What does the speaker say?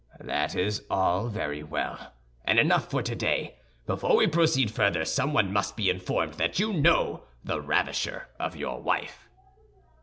"That is all very well, and enough for today; before we proceed further, someone must be informed that you know the ravisher of your wife."